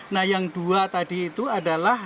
nah yang dua tadi itu adalah